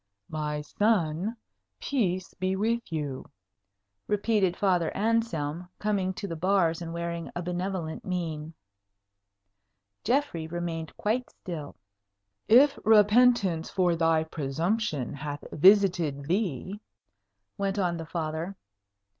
"My son, peace be with you!" repeated Father Anselm, coming to the bars and wearing a benevolent mien. Geoffrey remained quite still. "If repentance for thy presumption hath visited thee " went on the Father.